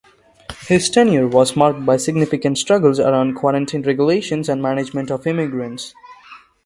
His tenure was marked by significant struggles around quarantine regulations and management of immigrants.